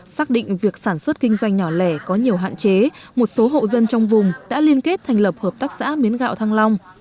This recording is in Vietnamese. xác định việc sản xuất kinh doanh nhỏ lẻ có nhiều hạn chế một số hộ dân trong vùng đã liên kết thành lập hợp tác xã miến gạo thăng long